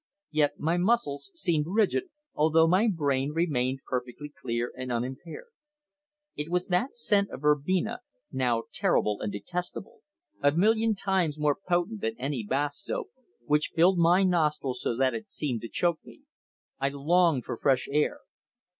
Yet my muscles seemed rigid, although my brain remained perfectly clear and unimpaired. It was that scent of verbena now terrible and detestable a million times more potent than any bath soap which filled my nostrils so that it seemed to choke me. I longed for fresh air.